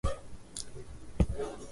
edda sanga ni meneja wa vyombo vya habari